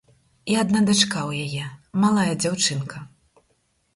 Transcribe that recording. І адна дачка ў яе, малая дзяўчынка.